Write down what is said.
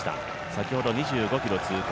先ほど２５ｋｍ通過。